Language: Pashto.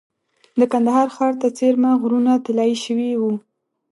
د کندهار ښار ته څېرمه غرونه طلایي شوي وو.